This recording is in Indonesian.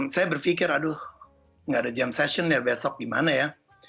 saya berpikir aduh nggak ada jam session ya besok gimana ya